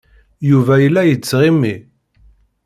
Yuba yella yettɣimi.